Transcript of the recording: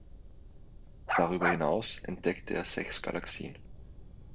Darüber hinaus entdeckte er sechs Galaxien.